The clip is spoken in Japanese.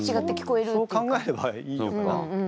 そう考えればいいのか。